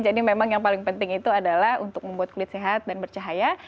jadi memang yang paling penting itu adalah untuk membuat kulit sehat dan bercahaya